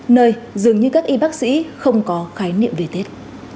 nơi dường như các y bác sĩ không có khái niệm về tết